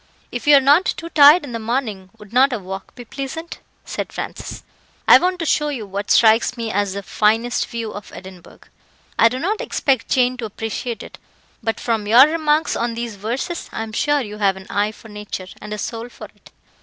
"If you are not too tired in the morning, would not a walk be pleasant?" said Francis. "I want to show you what strikes me as the finest view of Edinburgh. I do not expect Jane to appreciate it; but from your remarks on these verses, I am sure you have an eye for nature, and a soul for it."